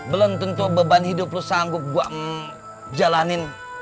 belum tentu beban hidup lo sanggup buat jalanin